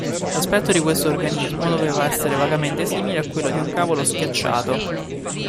L'aspetto di questo organismo doveva essere vagamente simile a quello di un cavolo schiacciato.